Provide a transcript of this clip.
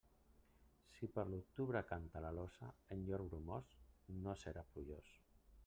Si per l'octubre canta l'alosa en jorn bromós, no serà plujós.